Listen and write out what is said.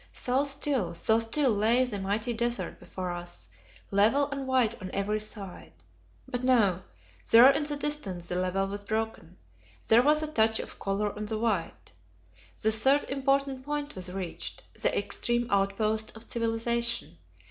So still, so still lay the mighty desert before us, level and white on every side. But, no; there in the distance the level was broken: there was a touch of colour on the white. The third important point was reached, the extreme outpost of civilization.